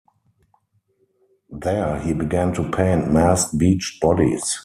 There he began to paint massed beached bodies.